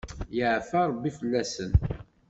Yeɛfa rebbi fell-asen.